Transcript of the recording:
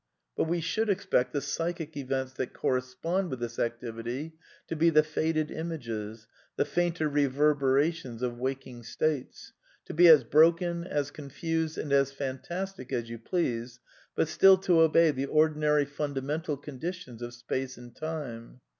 But we should expect the psy chic events that correspond with this activity to be the faded images, the fainter reverberations of waking states; to be as broken, as confused, and as fantastic as you please, but still to obey the ordinary fundamental conditions of space and time.